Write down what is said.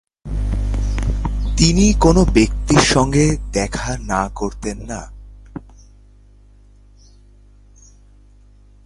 তিনি কোন ব্যক্তির সঙ্গে দেখা না করতেন না।